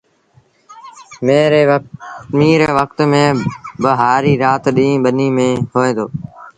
ميݩهن ري وکت ميݩ با هآريٚ رآت ڏيݩهݩ ٻنيٚ ميݩ هوئي دو